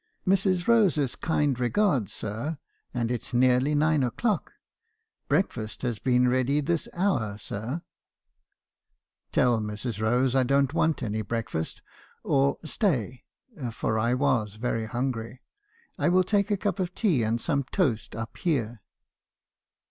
" 'Mrs. Rose's kind regards, sir, and it 's nearly nine o'clock. Breakfast has been ready this hour, sir." me. habbison's confessions. 305 " f Tell Mrs. Rose I don't want any breakfast. Or stay (for I was very hungry) , I will take a cup of tea and some toast up here.'